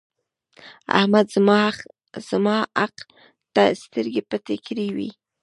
احمد زما حق ته سترګې پټې کړې وې.